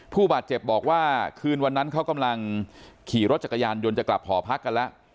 ผู้บาดเจ็บบอกว่าคืนวันนั้นเขากำลังขี่รถจักรยานยนต์จะกลับหอพักกันแล้ว